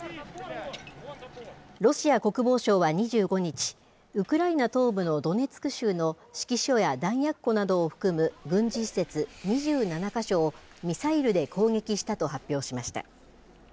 ロシア国防省は２５日、ウクライナ東部のドネツク州の指揮所や弾薬庫などを含む軍事施設２７か所を、ミサイルで攻撃したと発表しました。